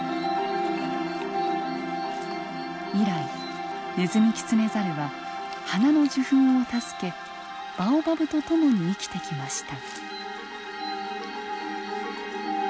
以来ネズミキツネザルは花の受粉を助けバオバブと共に生きてきました。